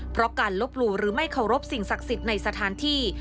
เพราะการลบหลู่หรือไม่เคารพสิ่งศักดิ์สิทธิ์ในสถานที่